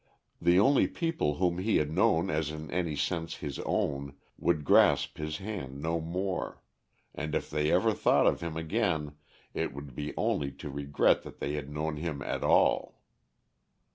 The only people whom he had known as in any sense his own would grasp his hand no more, and if they ever thought of him again it would be only to regret that they had known him at all.